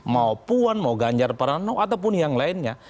mau puan mau ganjar parano ataupun yang lainnya